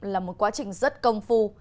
là một quá trình rất công phu